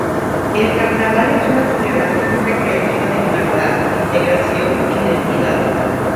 El carnaval es una celebración recreativa de libertad, integración e identidad.